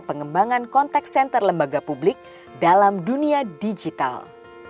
pengembangan konteksenter lembaga publik dalam dunia digital